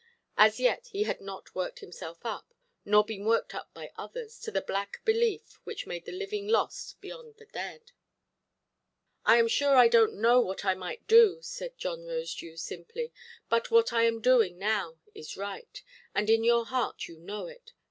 As yet he had not worked himself up, nor been worked up by others, to the black belief which made the living lost beyond the dead. "I am sure I donʼt know what I might do", said John Rosedew, simply, "but what I am doing now is right; and in your heart you know it.